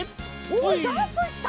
おっジャンプした！